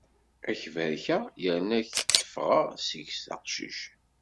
Ad t-barkeɣ yerna ad k-d-fkeɣ seg-s aqcic.